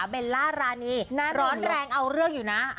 เบลล่ารานีร้อนแรงเอาเรื่องอยู่นะ